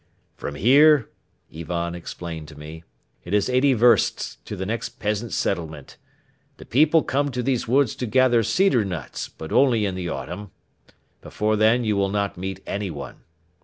"From here," Ivan explained to me, "it is eighty versts to the next peasant settlement. The people come to these woods to gather cedar nuts but only in the autumn. Before then you will not meet anyone.